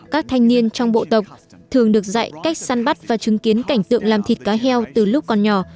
các thanh niên trong bộ tộc thường được dạy cách săn bắt và chứng kiến cảnh tượng làm thịt cá heo từ lúc còn nhỏ